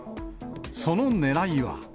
そのねらいは。